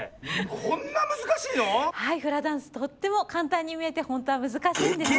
こんなむずかしいの⁉はいフラダンスとってもかんたんにみえてほんとはむずかしいんですよ。